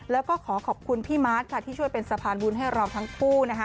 แล้วก็ขอขอบคุณพี่มาร์ทค่ะที่ช่วยเป็นสะพานบุญให้เราทั้งคู่นะคะ